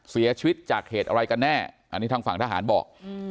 เสียชีวิตจากเหตุอะไรกันแน่อันนี้ทางฝั่งทหารบอก